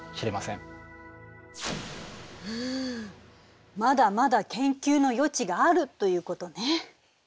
うんまだまだ研究の余地があるということね。